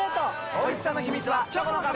おいしさの秘密はチョコの壁！